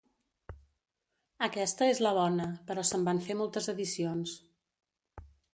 Aquesta és la bona, però se'n van fer moltes edicions.